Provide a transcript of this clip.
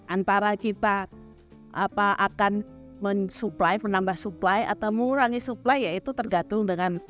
antara kita akan mensupply menambah supply atau mengurangi supply yaitu tergantung dengan